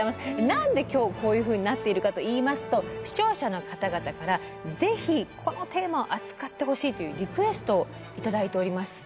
何で今日こういうふうになっているかといいますと視聴者の方々からぜひこのテーマを扱ってほしいというリクエストを頂いております。